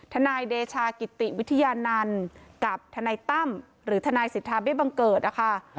ทนายเดชากิติวิทยานันต์กับทนายตั้มหรือทนายสิทธาเบี้ยบังเกิดนะคะ